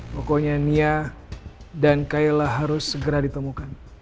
pokoknya nia dan kayla harus segera ditemukan